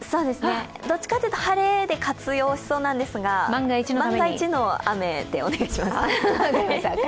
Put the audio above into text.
どちらかというと晴れで活用しそうなんですが、万が一の雨でお願いします。